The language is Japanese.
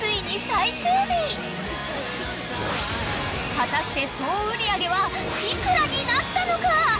［果たして総売り上げは幾らになったのか］